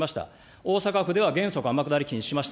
大阪府では原則天下り禁止しました。